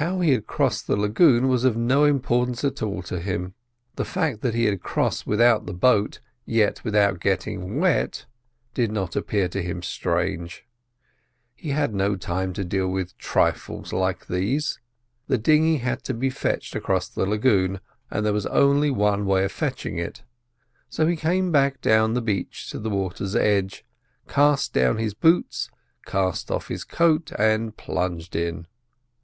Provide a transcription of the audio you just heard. How he had crossed the lagoon was of no importance at all to him; the fact that he had crossed without the boat, yet without getting wet, did not appear to him strange. He had no time to deal with trifles like these. The dinghy had to be fetched across the lagoon, and there was only one way of fetching it. So he came back down the beach to the water's edge, cast down his boots, cast off his coat, and plunged in.